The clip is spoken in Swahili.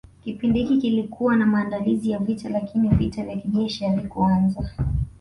Kipindi hiki kilikuwa na maandalizi ya vita lakini vita vya kijeshi havikuanza